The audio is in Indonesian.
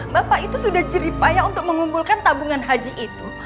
bapak itu sudah jeripaya untuk mengumpulkan tabungan haji itu